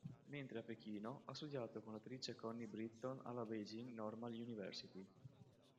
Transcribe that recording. Mentre era a Pechino, ha studiato con l'attrice Connie Britton alla Beijing Normal University.